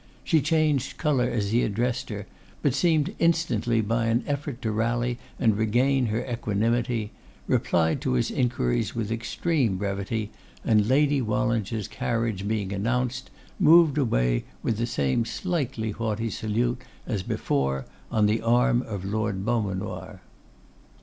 She changed colour as he addressed her, but seemed instantly by an effort to rally and regain her equanimity; replied to his inquiries with extreme brevity, and Lady Wallinger's carriage being announced, moved away with the same slight haughty salute as before, on the arm of Lord Beaumanoir.